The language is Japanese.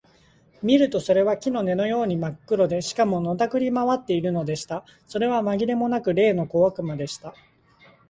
見るとそれは木の根のようにまっ黒で、しかも、のたくり廻っているのでした。それはまぎれもなく、例の小悪魔でした。